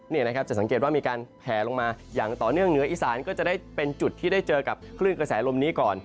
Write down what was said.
นี่นะครับจะสังเกตว่ามีการแผลลงมาอย่างต่อเนื่องเหนืออีสานก็จะได้เป็นจุดที่ได้เจอกับคลื่นกระแสลมนี้ก่อน